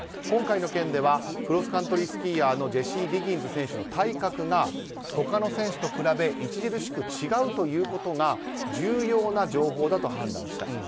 今回の件ではクロスカントリースキーヤーのジェシー・ディギンズ選手の体格が、他の選手と比べ著しく違うということが重要な情報だと判断した。